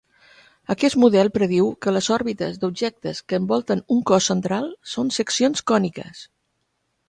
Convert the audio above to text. Aquest model prediu que les òrbites d'objectes que envolten un cos central són seccions còniques.